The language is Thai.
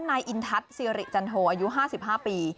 อ่าด้านในอินทัศน์ซีอาริจันโทอายุ๕๕ปี